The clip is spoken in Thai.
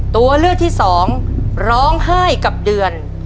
ตัวเลือกที่สองร้องไห้กับเดือน